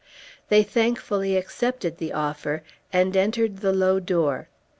They thankfully accepted the offer, and entered the low door.